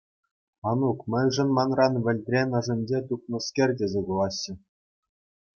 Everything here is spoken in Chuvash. Анук, мӗншӗн манран вӗлтрен ӑшӗнче тупнӑскер, тесе кулаҫҫӗ?